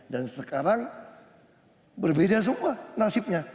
dan sekarang berbeda semua nasibnya